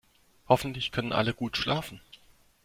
Hoffentlich können alle gut schlafen.